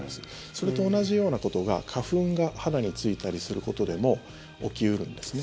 それと同じようなことが花粉が肌についたりすることでも起き得るんですね。